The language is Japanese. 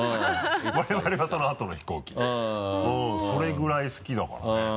それぐらい好きだからね。